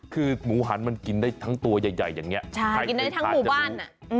คือหมูหันมันกินได้ทั้งตัวใหญ่อย่างนี้ใช่กินได้ทั้งหมู่บ้าน